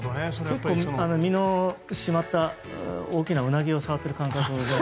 身の詰まった大きなウナギを触ってる感覚が。